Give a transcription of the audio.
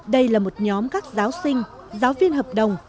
đây là một nhóm các giáo sinh giáo viên hợp đồng